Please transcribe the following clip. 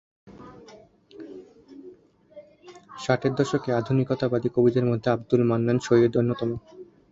ষাটের দশকের আধুনিকতাবাদী কবিদের মধ্যে আবদুল মান্নান সৈয়দ অন্যতম।